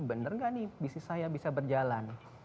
benar enggak nih bisnis saya bisa berjalan